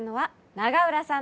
永浦さん！